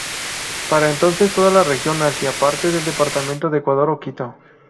Para entonces toda la región hacía parte del departamento de Ecuador o Quito.